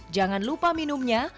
jangan lupa minumnya